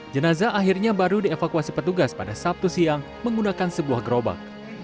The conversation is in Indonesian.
jenazah akhirnya baru dievakuasi petugas pada sabtu siang menggunakan sebuah gerobak